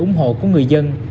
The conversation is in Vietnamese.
ủng hộ của người dân